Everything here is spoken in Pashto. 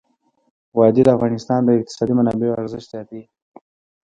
وادي د افغانستان د اقتصادي منابعو ارزښت زیاتوي.